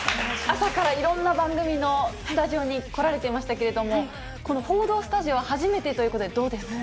朝からいろんな番組のスタジオに来られていましたけれども、この報道スタジオ、初めてということで、どうですか？